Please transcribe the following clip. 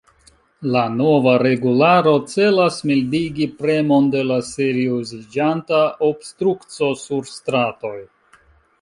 La nova regularo celas mildigi premon de la serioziĝanta obstrukco sur stratoj.